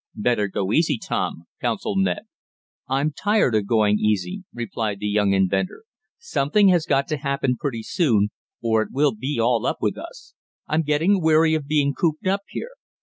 "Better go easy, Tom," counseled Ned. "I'm tired of going easy," replied the young inventor. "Something has got to happen pretty soon, or it will be all up with us. I'm getting weary of being cooped up here.